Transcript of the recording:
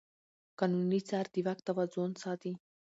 قانوني څار د واک توازن ساتي.